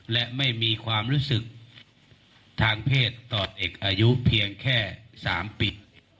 และไม่มีความรู้สึกทางเพศต่อเด็กอายุเพียงแค่๓ปี